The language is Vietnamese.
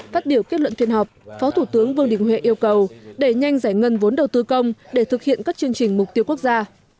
phát biểu kết luận phiên họp phó thủ tướng vương đình huệ yêu cầu đẩy nhanh giải ngân vốn đầu tư công để thực hiện các chương trình mục tiêu quốc gia